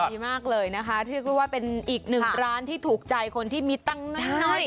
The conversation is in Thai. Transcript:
ดีมากเลยนะคะเรียกได้ว่าเป็นอีกหนึ่งร้านที่ถูกใจคนที่มีตังค์น้อย